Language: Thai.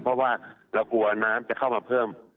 เพราะว่าเรากลัวน้ำจะเข้ามาเพิ่ม